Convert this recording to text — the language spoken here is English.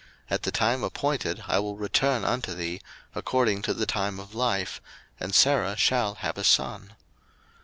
At the time appointed I will return unto thee, according to the time of life, and Sarah shall have a son.